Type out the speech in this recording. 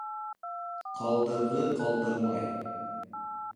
Ҡалдырҙы ҡалдырмай.